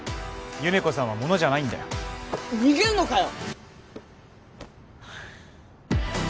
優芽子さんはものじゃないんだよ逃げんのかよ！